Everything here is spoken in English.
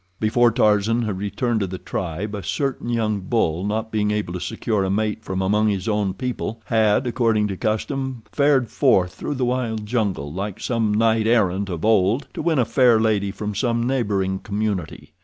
Before Tarzan had returned to the tribe, a certain young bull, not being able to secure a mate from among his own people, had, according to custom, fared forth through the wild jungle, like some knight errant of old, to win a fair lady from some neighboring community.